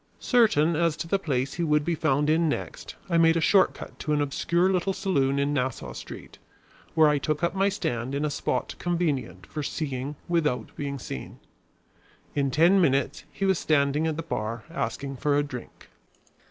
Certain as to the place he would be found in next, I made a short cut to an obscure little saloon in Nassau Street, where I took up my stand in a spot convenient for seeing without being seen. In ten minutes he was standing at the bar asking for a drink.